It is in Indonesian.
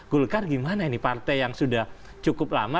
golkar gimana ini partai yang sudah cukup lama